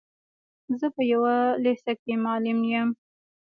زه په يوه لېسه کي معلم يم.